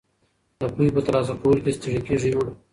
د پوهې په ترلاسه کولو کې ستړي مه ږئ.